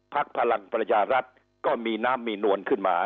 พลังประชารัฐก็มีน้ำมีนวลขึ้นมา